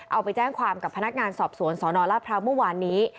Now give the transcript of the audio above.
เอาไปแจ้งความกับพนักงานสอบสวนสนราชพร้าวเมื่อวานนี้